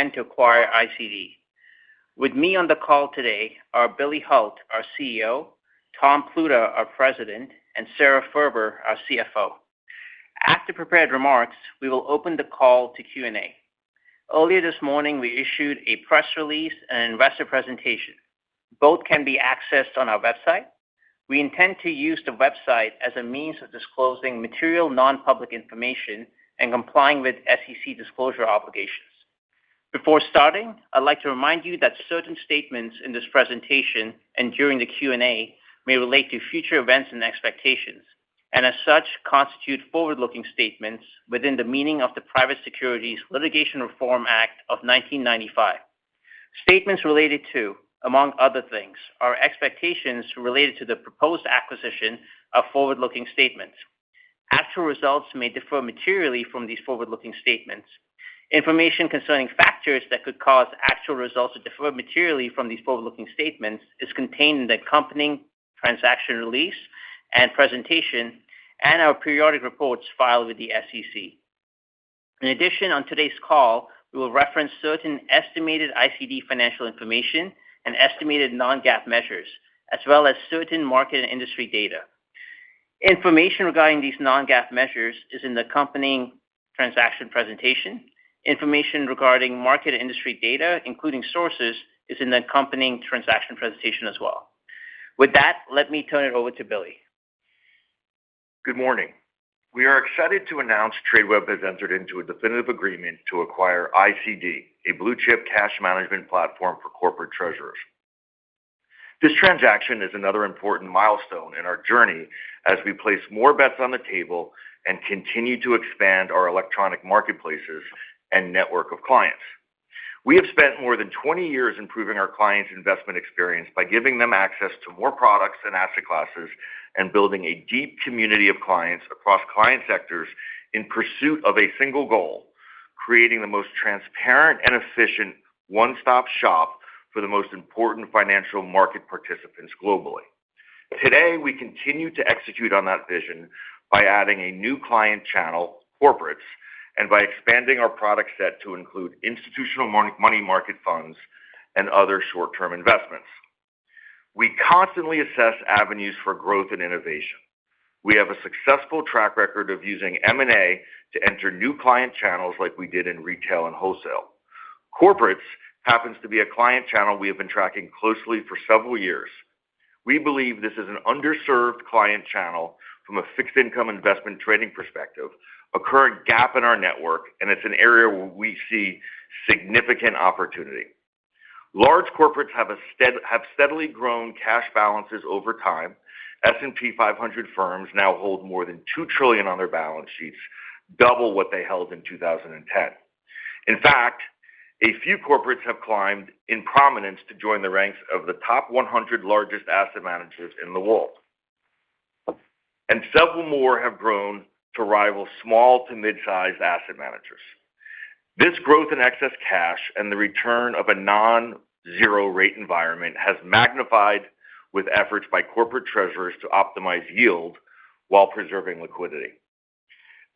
Intend to acquire ICD. With me on the call today are Billy Hult, our CEO, Tom Pluta, our president, and Sara Furber, our CFO. After prepared remarks, we will open the call to Q&A. Earlier this morning we issued a press release and an investor presentation. Both can be accessed on our website. We intend to use the website as a means of disclosing material non-public information and complying with SEC disclosure obligations. Before starting, I'd like to remind you that certain statements in this presentation and during the Q&A may relate to future events and expectations, and as such constitute forward-looking statements within the meaning of the Private Securities Litigation Reform Act of 1995. Statements related to, among other things, our expectations related to the proposed acquisition are forward-looking statements. Actual results may differ materially from these forward-looking statements. Information concerning factors that could cause actual results to differ materially from these forward-looking statements is contained in the accompanying transaction release and presentation and our periodic reports filed with the SEC. In addition, on today's call we will reference certain estimated ICD financial information and estimated non-GAAP measures, as well as certain market and industry data. Information regarding these non-GAAP measures is in the accompanying transaction presentation. Information regarding market and industry data, including sources, is in the accompanying transaction presentation as well. With that, let me turn it over to Billy. Good morning. We are excited to announce Tradeweb has entered into a definitive agreement to acquire ICD, a blue-chip cash management platform for corporate treasurers. This transaction is another important milestone in our journey as we place more bets on the table and continue to expand our electronic marketplaces and network of clients. We have spent more than 20 years improving our clients' investment experience by giving them access to more products and asset classes and building a deep community of clients across client sectors in pursuit of a single goal: creating the most transparent and efficient one-stop shop for the most important financial market participants globally. Today we continue to execute on that vision by adding a new client channel, corporates, and by expanding our product set to include institutional money market funds and other short-term investments. We constantly assess avenues for growth and innovation. We have a successful track record of using M&A to enter new client channels like we did in retail and wholesale. Corporates happens to be a client channel we have been tracking closely for several years. We believe this is an underserved client channel from a fixed-income investment trading perspective, a current gap in our network, and it's an area where we see significant opportunity. Large corporates have steadily grown cash balances over time. S&P 500 firms now hold more than $2 trillion on their balance sheets, double what they held in 2010. In fact, a few corporates have climbed in prominence to join the ranks of the top 100 largest asset managers in the world, and several more have grown to rival small to mid-sized asset managers. This growth in excess cash and the return of a non-zero-rate environment has magnified with efforts by corporate treasurers to optimize yield while preserving liquidity.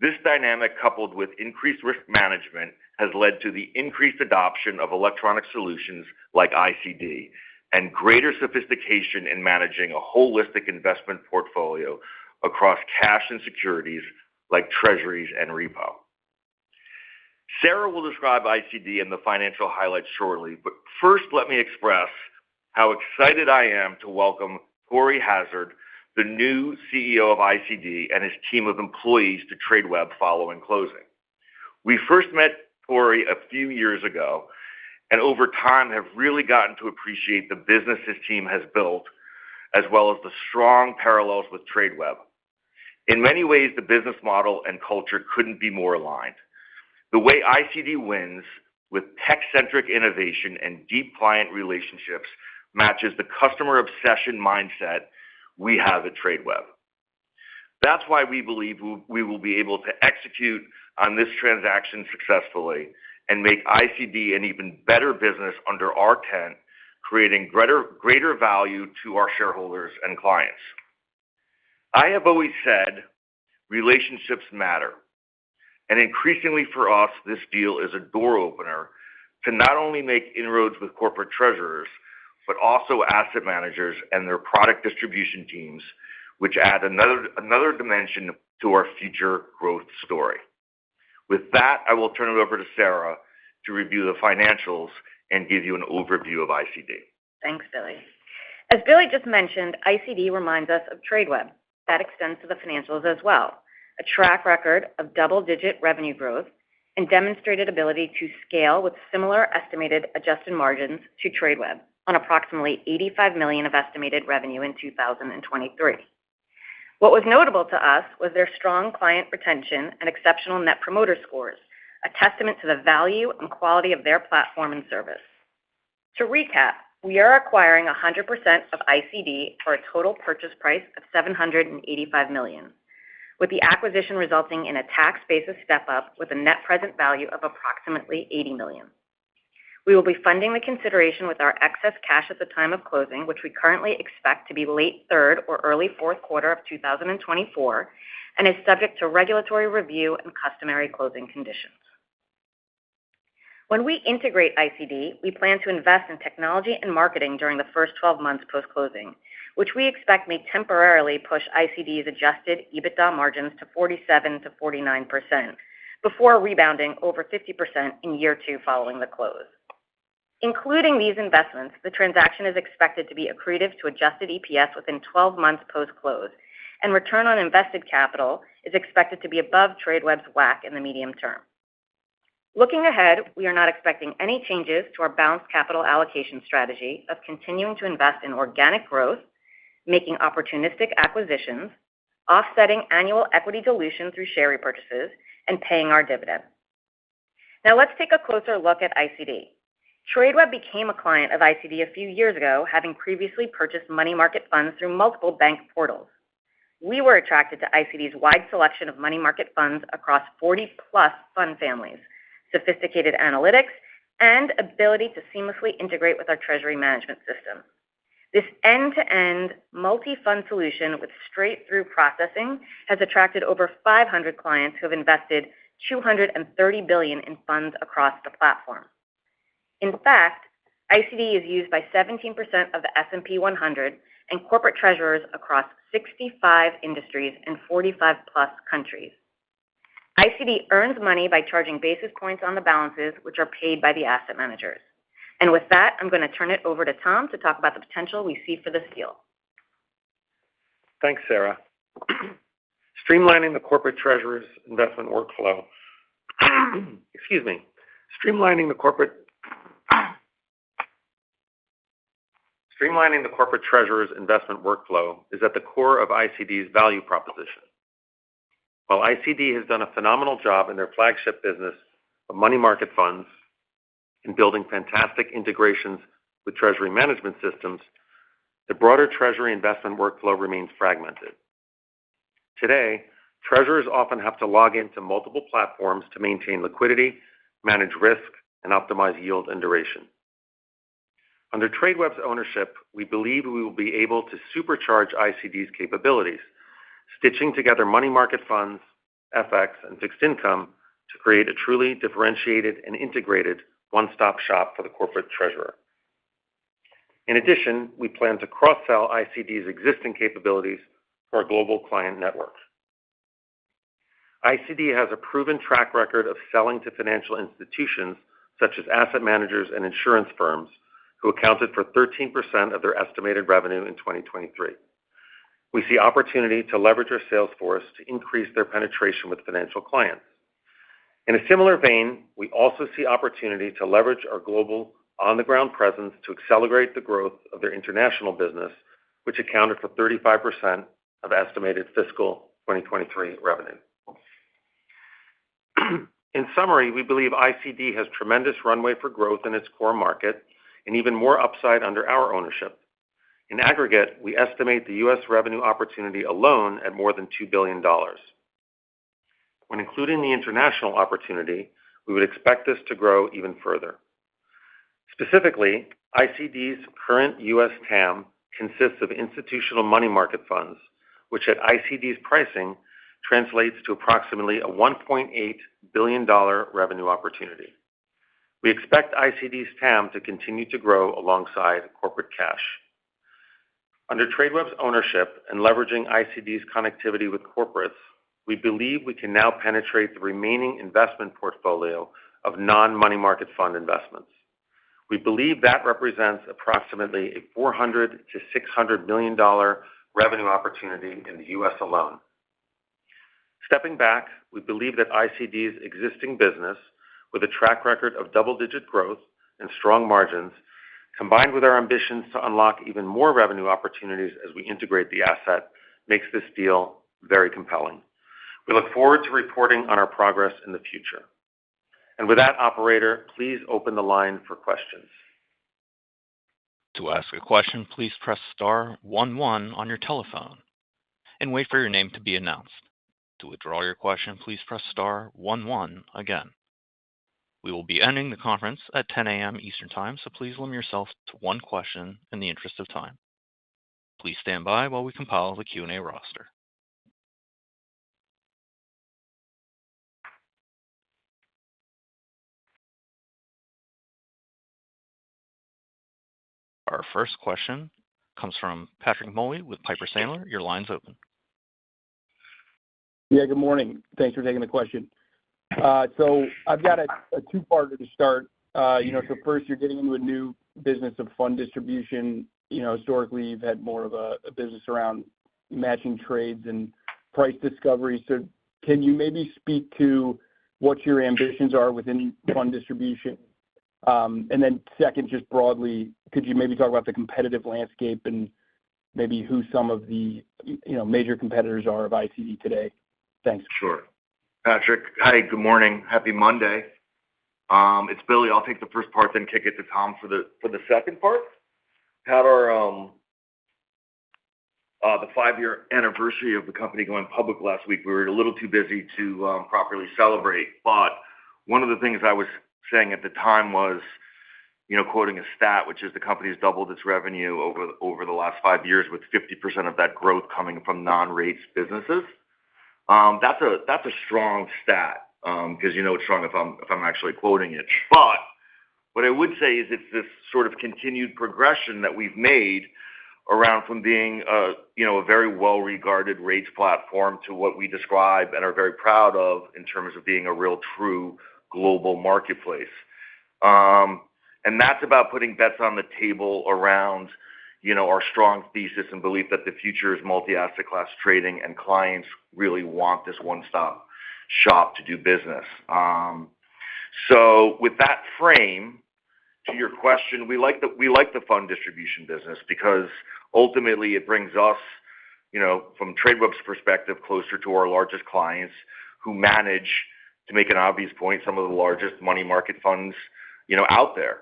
This dynamic, coupled with increased risk management, has led to the increased adoption of electronic solutions like ICD and greater sophistication in managing a holistic investment portfolio across cash and securities like treasuries and repo. Sara will describe ICD and the financial highlights shortly, but first let me express how excited I am to welcome Tory Hazard, the new CEO of ICD, and his team of employees to Tradeweb following closing. We first met Tory a few years ago and over time have really gotten to appreciate the business his team has built as well as the strong parallels with Tradeweb. In many ways, the business model and culture couldn't be more aligned. The way ICD wins with tech-centric innovation and deep client relationships matches the customer obsession mindset we have at Tradeweb. That's why we believe we will be able to execute on this transaction successfully and make ICD an even better business under our tent, creating greater value to our shareholders and clients. I have always said relationships matter, and increasingly for us, this deal is a door opener to not only make inroads with corporate treasurers but also asset managers and their product distribution teams, which add another dimension to our future growth story. With that, I will turn it over to Sara to review the financials and give you an overview of ICD. Thanks, Billy. As Billy just mentioned, ICD reminds us of Tradeweb. That extends to the financials as well: a track record of double-digit revenue growth and demonstrated ability to scale with similar estimated adjusted margins to Tradeweb on approximately $85 million of estimated revenue in 2023. What was notable to us was their strong client retention and exceptional Net Promoter Scores, a testament to the value and quality of their platform and service. To recap, we are acquiring 100% of ICD for a total purchase price of $785 million, with the acquisition resulting in a tax-based step-up with a net present value of approximately $80 million. We will be funding the consideration with our excess cash at the time of closing, which we currently expect to be late third or early fourth quarter of 2024, and is subject to regulatory review and customary closing conditions. When we integrate ICD, we plan to invest in technology and marketing during the first 12 months post-closing, which we expect may temporarily push ICD's Adjusted EBITDA margins to 47%-49% before rebounding over 50% in year two following the close. Including these investments, the transaction is expected to be accretive to Adjusted EPS within 12 months post-close, and return on invested capital is expected to be above Tradeweb's WACC in the medium term. Looking ahead, we are not expecting any changes to our balanced capital allocation strategy of continuing to invest in organic growth, making opportunistic acquisitions, offsetting annual equity dilution through share repurchases, and paying our dividend. Now let's take a closer look at ICD. Tradeweb became a client of ICD a few years ago, having previously purchased money market funds through multiple bank portals. We were attracted to ICD's wide selection of money market funds across 40+ fund families, sophisticated analytics, and ability to seamlessly integrate with our treasury management system. This end-to-end multi-fund solution with straight-through processing has attracted over 500 clients who have invested $230 billion in funds across the platform. In fact, ICD is used by 17% of the S&P 100 and corporate treasurers across 65 industries and 45+ countries. ICD earns money by charging basis points on the balances, which are paid by the asset managers. With that, I'm going to turn it over to Tom to talk about the potential we see for this deal. Thanks, Sara. Streamlining the corporate treasurers' investment workflow is at the core of ICD's value proposition. While ICD has done a phenomenal job in their flagship business of money market funds and building fantastic integrations with treasury management systems, the broader treasury investment workflow remains fragmented. Today, treasurers often have to log into multiple platforms to maintain liquidity, manage risk, and optimize yield and duration. Under Tradeweb's ownership, we believe we will be able to supercharge ICD's capabilities, stitching together money market funds, FX, and fixed income to create a truly differentiated and integrated one-stop shop for the corporate treasurer. In addition, we plan to cross-sell ICD's existing capabilities for a global client network. ICD has a proven track record of selling to financial institutions such as asset managers and insurance firms, who accounted for 13% of their estimated revenue in 2023. We see opportunity to leverage our sales force to increase their penetration with financial clients. In a similar vein, we also see opportunity to leverage our global on-the-ground presence to accelerate the growth of their international business, which accounted for 35% of estimated fiscal 2023 revenue. In summary, we believe ICD has tremendous runway for growth in its core market and even more upside under our ownership. In aggregate, we estimate the U.S. revenue opportunity alone at more than $2 billion. When including the international opportunity, we would expect this to grow even further. Specifically, ICD's current U.S. TAM consists of institutional money market funds, which at ICD's pricing translates to approximately a $1.8 billion revenue opportunity. We expect ICD's TAM to continue to grow alongside corporate cash. Under Tradeweb's ownership and leveraging ICD's connectivity with corporates, we believe we can now penetrate the remaining investment portfolio of non-money market fund investments. We believe that represents approximately a $400-$600 million revenue opportunity in the U.S. alone. Stepping back, we believe that ICD's existing business, with a track record of double-digit growth and strong margins, combined with our ambitions to unlock even more revenue opportunities as we integrate the asset, makes this deal very compelling. We look forward to reporting on our progress in the future. And with that, operator, please open the line for questions. To ask a question, please press star one one on your telephone and wait for your name to be announced. To withdraw your question, please press star one one again. We will be ending the conference at 10:00 A.M. Eastern Time, so please limit yourself to one question in the interest of time. Please stand by while we compile the Q&A roster. Our first question comes from Patrick Moley with Piper Sandler. Your line's open. Yeah, good morning. Thanks for taking the question. So I've got a two-parter to start. So first, you're getting into a new business of fund distribution. Historically, you've had more of a business around matching trades and price discovery. So can you maybe speak to what your ambitions are within fund distribution? And then second, just broadly, could you maybe talk about the competitive landscape and maybe who some of the major competitors are of ICD today? Thanks. Sure. Patrick, hi. Good morning. Happy Monday. It's Billy. I'll take the first part, then kick it to Tom for the second part. Had the five-year anniversary of the company going public last week, we were a little too busy to properly celebrate. But one of the things I was saying at the time was quoting a stat, which is the company has doubled its revenue over the last five years with 50% of that growth coming from non-rate businesses. That's a strong stat because it's strong if I'm actually quoting it. But what I would say is it's this sort of continued progression that we've made around from being a very well-regarded rates platform to what we describe and are very proud of in terms of being a real true global marketplace. That's about putting bets on the table around our strong thesis and belief that the future is multi-asset class trading and clients really want this one-stop shop to do business. With that frame, to your question, we like the fund distribution business because ultimately, it brings us, from Tradeweb's perspective, closer to our largest clients who manage, to make an obvious point, some of the largest money market funds out there.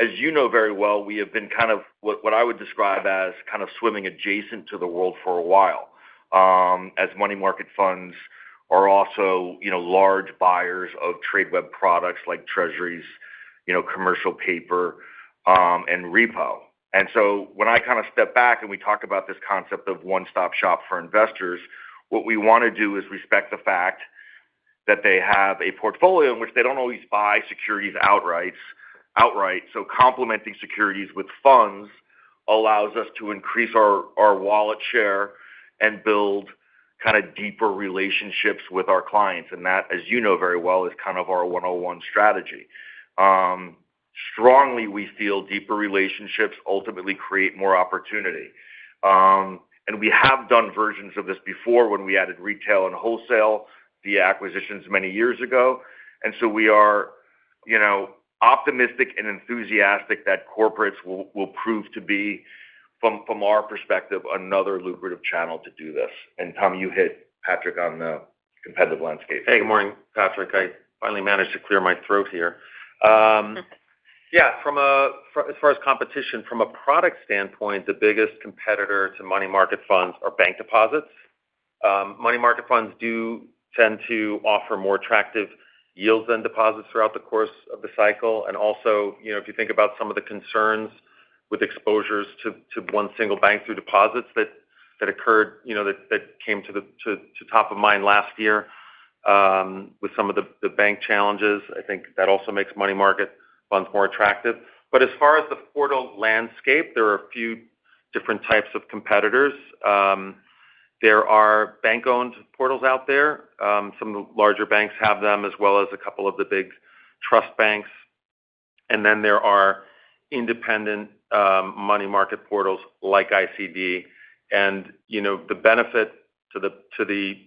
As you know very well, we have been kind of what I would describe as kind of swimming adjacent to the world for a while as money market funds are also large buyers of Tradeweb products like treasuries, commercial paper, and repo. And so when I kind of step back and we talk about this concept of one-stop shop for investors, what we want to do is respect the fact that they have a portfolio in which they don't always buy securities outright. So complementing securities with funds allows us to increase our wallet share and build kind of deeper relationships with our clients. And that, as you know very well, is kind of our 101 strategy. Strongly, we feel deeper relationships ultimately create more opportunity. And we have done versions of this before when we added retail and wholesale via acquisitions many years ago. And so we are optimistic and enthusiastic that corporates will prove to be, from our perspective, another lucrative channel to do this. And Tom, you hit Patrick on the competitive landscape. Hey. Good morning, Patrick. I finally managed to clear my throat here. Yeah. As far as competition, from a product standpoint, the biggest competitor to money market funds are bank deposits. Money market funds do tend to offer more attractive yields than deposits throughout the course of the cycle. And also, if you think about some of the concerns with exposures to one single bank through deposits that occurred, that came to the top of mind last year with some of the bank challenges, I think that also makes money market funds more attractive. But as far as the portal landscape, there are a few different types of competitors. There are bank-owned portals out there. Some of the larger banks have them as well as a couple of the big trust banks. And then there are independent money market portals like ICD. The benefit to the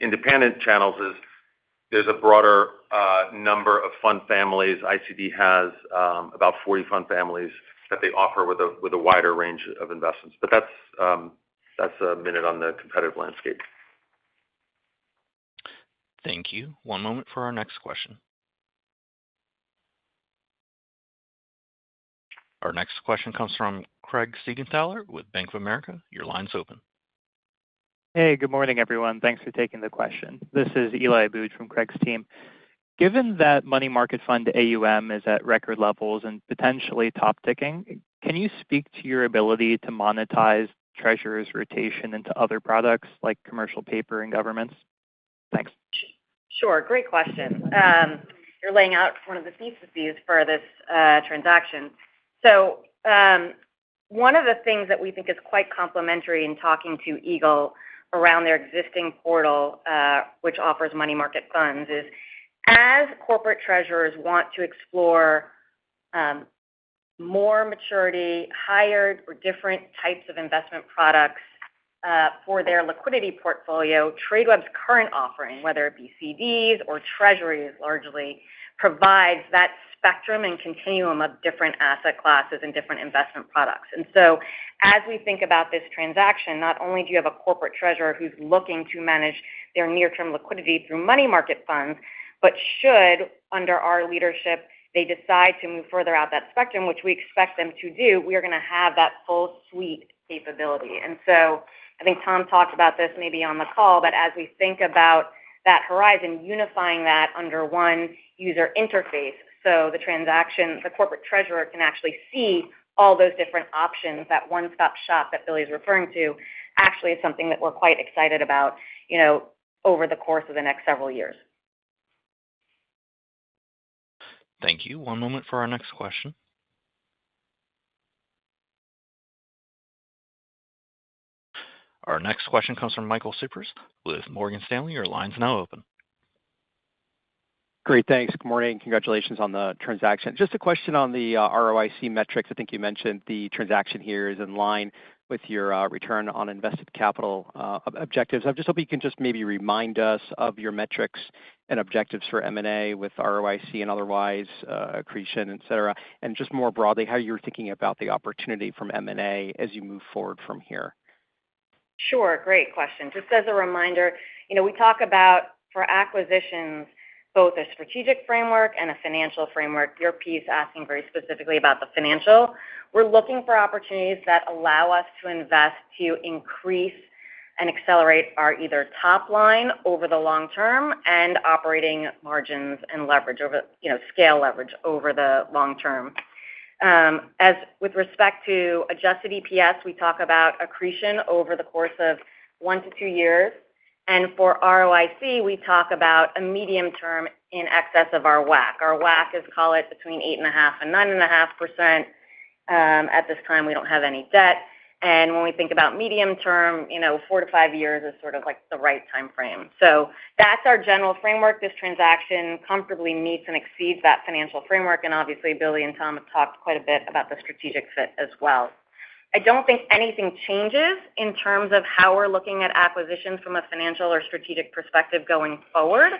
independent channels is there's a broader number of fund families. ICD has about 40 fund families that they offer with a wider range of investments. That's a minute on the competitive landscape. Thank you. One moment for our next question. Our next question comes from Craig Siegenthaler with Bank of America. Your line's open. Hey. Good morning, everyone. Thanks for taking the question. This is Eli Abboud from Craig's team. Given that money market fund AUM is at record levels and potentially top-ticking, can you speak to your ability to monetize treasurers' rotation into other products like commercial paper and governments? Thanks. Sure. Great question. You're laying out one of the theses for this transaction. So one of the things that we think is quite complementary in talking to ICD around their existing portal, which offers money market funds, is as corporate treasurers want to explore more maturity, higher, or different types of investment products for their liquidity portfolio, Tradeweb's current offering, whether it be CDs or treasuries largely, provides that spectrum and continuum of different asset classes and different investment products. And so as we think about this transaction, not only do you have a corporate treasurer who's looking to manage their near-term liquidity through money market funds, but should, under our leadership, they decide to move further out that spectrum, which we expect them to do, we are going to have that full suite capability. And so I think Tom talked about this maybe on the call, but as we think about that horizon, unifying that under one user interface so the corporate treasurer can actually see all those different options, that one-stop shop that Billy's referring to, actually is something that we're quite excited about over the course of the next several years. Thank you. One moment for our next question. Our next question comes from Michael Cyprys with Morgan Stanley. Your line's now open. Great. Thanks. Good morning and congratulations on the transaction. Just a question on the ROIC metrics. I think you mentioned the transaction here is in line with your return on invested capital objectives. I just hope you can just maybe remind us of your metrics and objectives for M&A with ROIC and otherwise, accretion, etc. Just more broadly, how you're thinking about the opportunity from M&A as you move forward from here. Sure. Great question. Just as a reminder, we talk about, for acquisitions, both a strategic framework and a financial framework. Your piece asking very specifically about the financial. We're looking for opportunities that allow us to invest to increase and accelerate our either top line over the long term and operating margins and leverage, scale leverage over the long term. With respect to Adjusted EPS, we talk about accretion over the course of one-two years. And for ROIC, we talk about a medium term in excess of our WACC. Our WACC is, call it, between 8.5%-9.5%. At this time, we don't have any debt. And when we think about medium term, four-five years is sort of the right time frame. So that's our general framework. This transaction comfortably meets and exceeds that financial framework. And obviously, Billy and Tom have talked quite a bit about the strategic fit as well. I don't think anything changes in terms of how we're looking at acquisitions from a financial or strategic perspective going forward.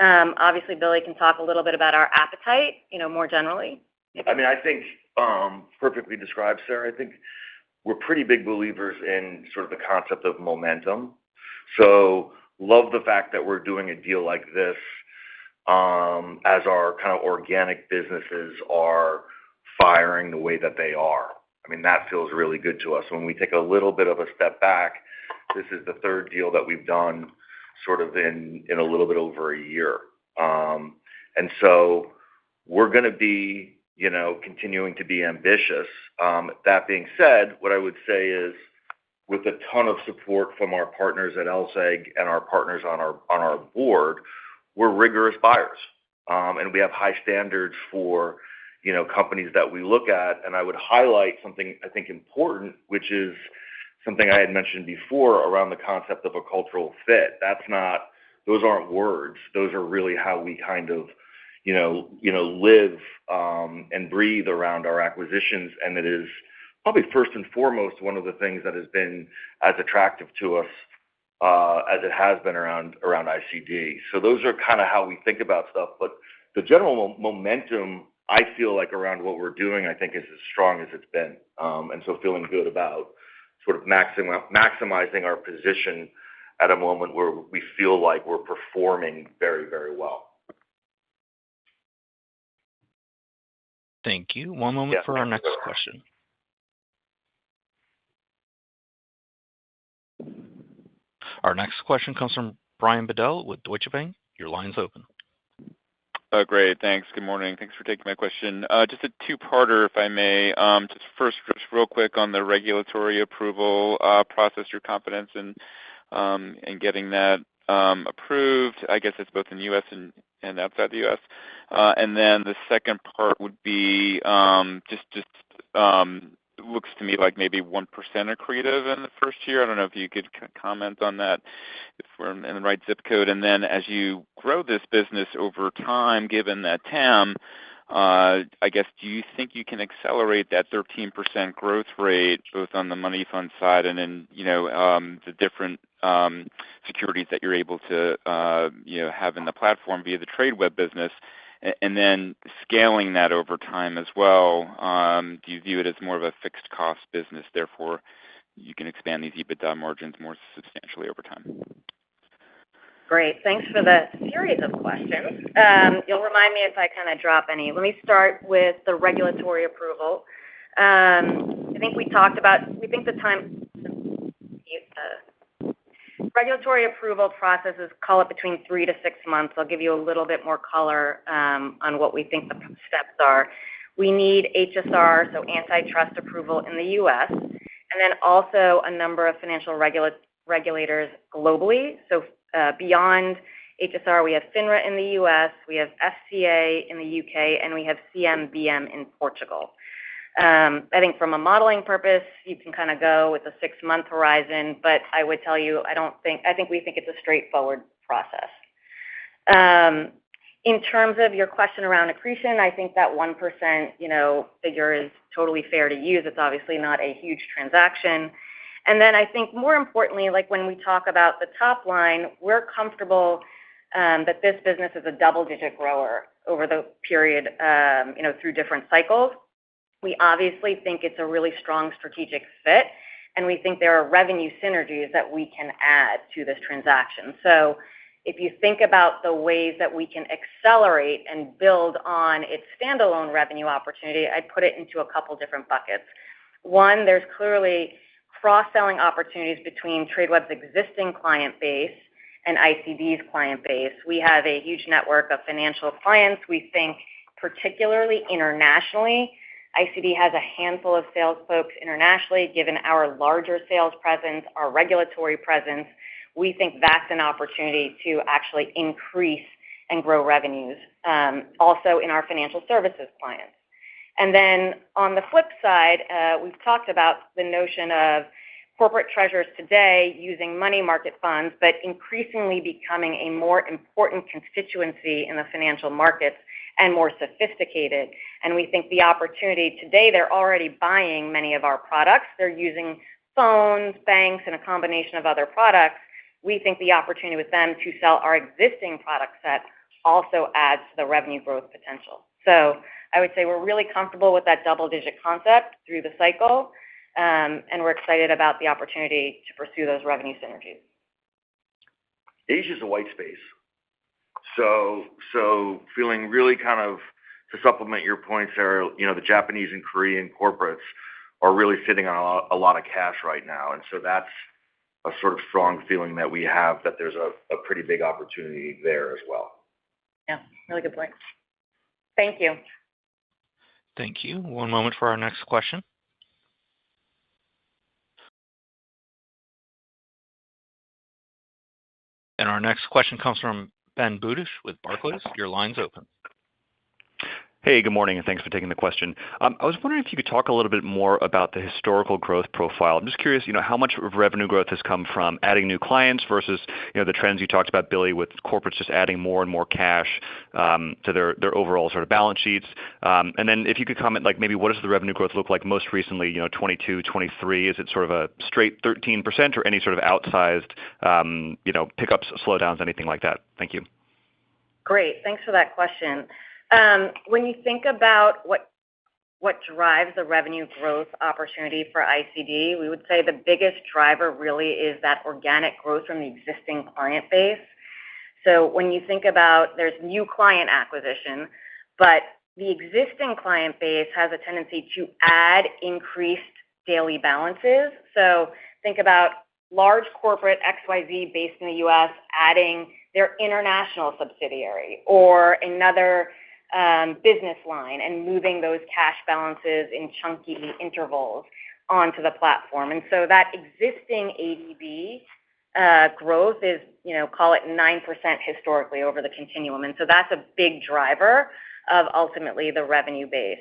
Obviously, Billy can talk a little bit about our appetite more generally. I mean, I think perfectly described, Sir. I think we're pretty big believers in sort of the concept of momentum. So love the fact that we're doing a deal like this as our kind of organic businesses are firing the way that they are. I mean, that feels really good to us. When we take a little bit of a step back, this is the third deal that we've done sort of in a little bit over a year. And so we're going to be continuing to be ambitious. That being said, what I would say is, with a ton of support from our partners at LSEG and our partners on our board, we're rigorous buyers. And we have high standards for companies that we look at. And I would highlight something, I think, important, which is something I had mentioned before around the concept of a cultural fit. Those aren't words. Those are really how we kind of live and breathe around our acquisitions. It is probably first and foremost one of the things that has been as attractive to us as it has been around ICD. Those are kind of how we think about stuff. But the general momentum, I feel like, around what we're doing, I think, is as strong as it's been. So feeling good about sort of maximizing our position at a moment where we feel like we're performing very, very well. Thank you. One moment for our next question. Our next question comes from Brian Bedell with Deutsche Bank. Your line's open. Great. Thanks. Good morning. Thanks for taking my question. Just a two-parter, if I may. Just first, just real quick on the regulatory approval process, your confidence in getting that approved. I guess it's both in the U.S. and outside the U.S. And then the second part would be just looks to me like maybe 1% accretive in the first year. I don't know if you could comment on that if we're in the right zip code. And then as you grow this business over time, given that TAM, I guess, do you think you can accelerate that 13% growth rate both on the money fund side and in the different securities that you're able to have in the platform via the Tradeweb business and then scaling that over time as well? Do you view it as more of a fixed-cost business? Therefore, you can expand these EBITDA margins more substantially over time. Great. Thanks for that series of questions. You'll remind me if I kind of drop any. Let me start with the regulatory approval. I think we talked about we think the time regulatory approval processes, call it, between three to six months. I'll give you a little bit more color on what we think the steps are. We need HSR, so antitrust approval, in the U.S. and then also a number of financial regulators globally. So beyond HSR, we have FINRA in the U.S. We have FCA in the U.K. And we have CMVM in Portugal. I think from a modeling purpose, you can kind of go with a six months horizon. But I would tell you, I don't think I think we think it's a straightforward process. In terms of your question around accretion, I think that 1% figure is totally fair to use. It's obviously not a huge transaction. Then I think, more importantly, when we talk about the top line, we're comfortable that this business is a double-digit grower over the period through different cycles. We obviously think it's a really strong strategic fit. We think there are revenue synergies that we can add to this transaction. If you think about the ways that we can accelerate and build on its standalone revenue opportunity, I'd put it into a couple of different buckets. One, there's clearly cross-selling opportunities between Tradeweb's existing client base and ICD's client base. We have a huge network of financial clients, we think, particularly internationally. ICD has a handful of sales folks internationally. Given our larger sales presence, our regulatory presence, we think that's an opportunity to actually increase and grow revenues, also in our financial services clients. And then on the flip side, we've talked about the notion of corporate treasurers today using money market funds but increasingly becoming a more important constituency in the financial markets and more sophisticated. We think the opportunity today, they're already buying many of our products. They're using phones, banks, and a combination of other products. We think the opportunity with them to sell our existing product set also adds to the revenue growth potential. I would say we're really comfortable with that double-digit concept through the cycle. We're excited about the opportunity to pursue those revenue synergies. Asia's a white space. So feeling really kind of to supplement your point, Sir, the Japanese and Korean corporates are really sitting on a lot of cash right now. And so that's a sort of strong feeling that we have, that there's a pretty big opportunity there as well. Yeah. Really good point. Thank you. Thank you. One moment for our next question. Our next question comes from Ben Budish with Barclays. Your line's open. Hey. Good morning. And thanks for taking the question. I was wondering if you could talk a little bit more about the historical growth profile. I'm just curious how much of revenue growth has come from adding new clients versus the trends you talked about, Billy, with corporates just adding more and more cash to their overall sort of balance sheets. And then if you could comment, maybe what does the revenue growth look like most recently, 2022, 2023? Is it sort of a straight 13% or any sort of outsized pickups, slowdowns, anything like that? Thank you. Great. Thanks for that question. When you think about what drives the revenue growth opportunity for ICD, we would say the biggest driver really is that organic growth from the existing client base. So when you think about there's new client acquisition, but the existing client base has a tendency to add increased daily balances. So think about large corporate XYZ based in the U.S. adding their international subsidiary or another business line and moving those cash balances in chunky intervals onto the platform. And so that existing ADB growth is, call it, 9% historically over the continuum. And so that's a big driver of, ultimately, the revenue base.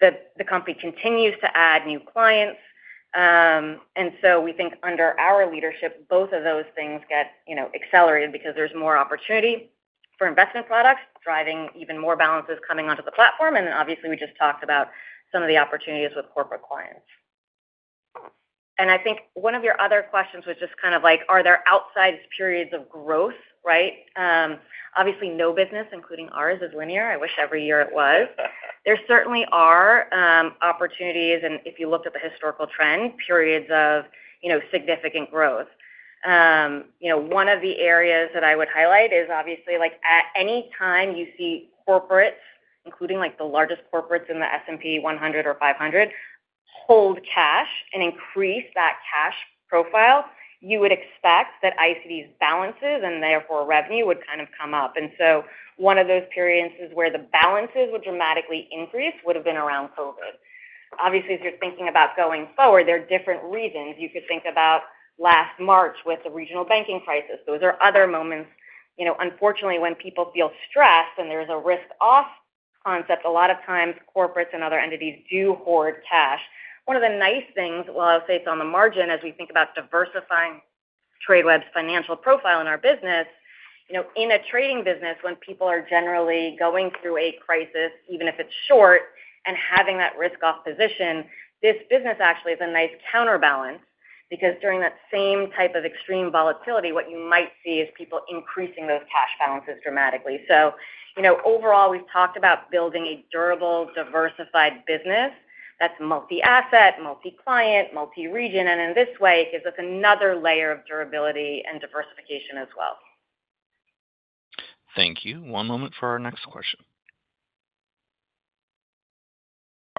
The company continues to add new clients. And so we think, under our leadership, both of those things get accelerated because there's more opportunity for investment products driving even more balances coming onto the platform. And then, obviously, we just talked about some of the opportunities with corporate clients. And I think one of your other questions was just kind of like, are there outsized periods of growth, right? Obviously, no business, including ours, is linear. I wish every year it was. There certainly are opportunities. And if you looked at the historical trend, periods of significant growth. One of the areas that I would highlight is, obviously, at any time you see corporates, including the largest corporates in the S&P 100 or S&P 500, hold cash and increase that cash profile, you would expect that ICD's balances and, therefore, revenue would kind of come up. And so one of those periods where the balances would dramatically increase would have been around COVID. Obviously, as you're thinking about going forward, there are different reasons. You could think about last March with the regional banking crisis. Those are other moments. Unfortunately, when people feel stressed and there's a risk-off concept, a lot of times, corporates and other entities do hoard cash. One of the nice things, while I'll say it's on the margin as we think about diversifying Tradeweb's financial profile in our business, in a trading business, when people are generally going through a crisis, even if it's short, and having that risk-off position, this business actually is a nice counterbalance because during that same type of extreme volatility, what you might see is people increasing those cash balances dramatically. So overall, we've talked about building a durable, diversified business that's multi-asset, multi-client, multi-region. And in this way, it gives us another layer of durability and diversification as well. Thank you. One moment for our next question.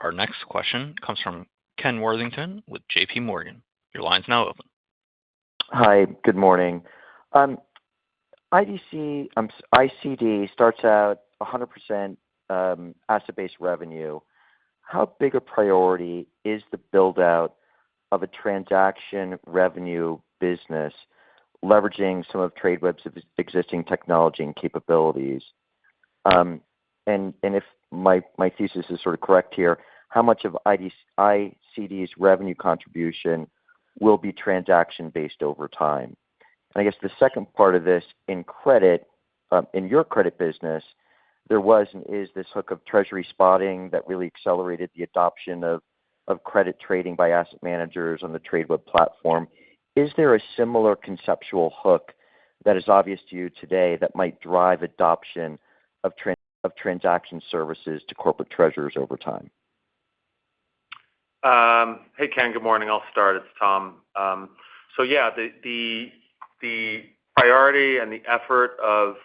Our next question comes from Ken Worthington with JPMorgan. Your line's now open. Hi. Good morning. ICD starts out 100% asset-based revenue. How big a priority is the buildout of a transaction revenue business leveraging some of Tradeweb's existing technology and capabilities? And if my thesis is sort of correct here, how much of ICD's revenue contribution will be transaction-based over time? And I guess the second part of this, in your credit business, there was and is this hook of treasury spotting that really accelerated the adoption of credit trading by asset managers on the Tradeweb platform. Is there a similar conceptual hook that is obvious to you today that might drive adoption of transaction services to corporate treasurers over time? Hey, Ken. Good morning. I'll start. It's Tom. So yeah, the priority and the effort of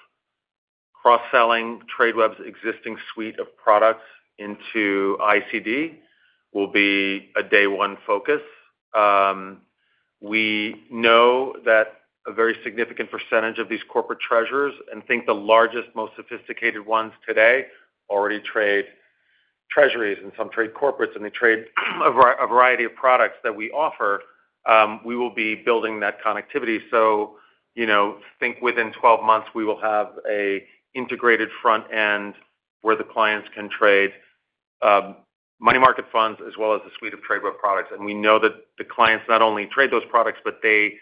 cross-selling Tradeweb's existing suite of products into ICD will be a day-one focus. We know that a very significant percentage of these corporate treasurers and think the largest, most sophisticated ones today already trade treasuries and some trade corporates. They trade a variety of products that we offer. We will be building that connectivity. So think within 12 months, we will have an integrated front end where the clients can trade money market funds as well as the suite of Tradeweb products. We know that the clients not only trade those products, but they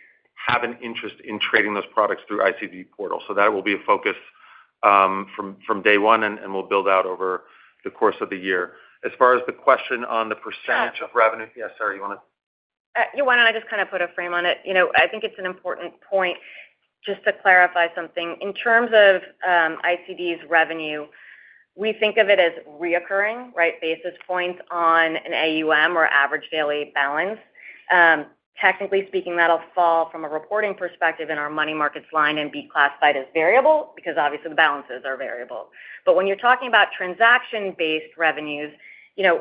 have an interest in trading those products through ICD Portal. So that will be a focus from day one. We'll build out over the course of the year. As far as the question on the percentage of revenue, yes, sorry. You want to? You want to? I just kind of put a frame on it. I think it's an important point just to clarify something. In terms of ICD's revenue, we think of it as recurring, right, basis points on an AUM or average daily balance. Technically speaking, that'll fall from a reporting perspective in our money markets line and be classified as variable because, obviously, the balances are variable. But when you're talking about transaction-based revenues,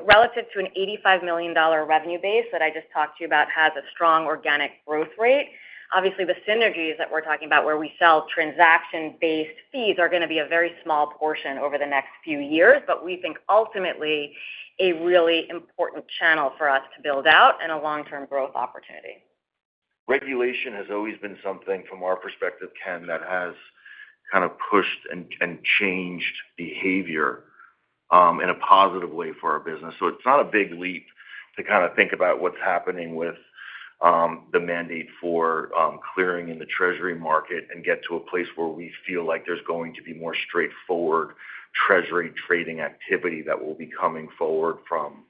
relative to an $85 million revenue base that I just talked to you about has a strong organic growth rate, obviously, the synergies that we're talking about where we sell transaction-based fees are going to be a very small portion over the next few years. But we think, ultimately, a really important channel for us to build out and a long-term growth opportunity. Regulation has always been something, from our perspective, Ken, that has kind of pushed and changed behavior in a positive way for our business. So it's not a big leap to kind of think about what's happening with the mandate for clearing in the treasury market and get to a place where we feel like there's going to be more straightforward treasury trading activity that will be coming forward from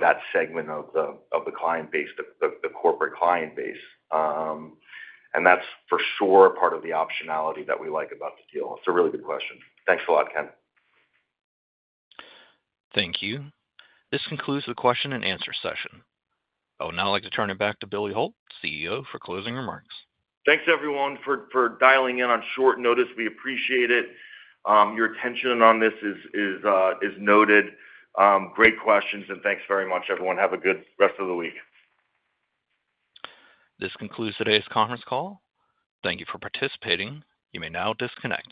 that segment of the client base, the corporate client base. That's, for sure, part of the optionality that we like about the deal. It's a really good question. Thanks a lot, Ken. Thank you. This concludes the question-and-answer session. Oh, now I'd like to turn it back to Billy Hult, CEO, for closing remarks. Thanks, everyone, for dialing in on short notice. We appreciate it. Your attention on this is noted. Great questions. Thanks very much, everyone. Have a good rest of the week. This concludes today's conference call. Thank you for participating. You may now disconnect.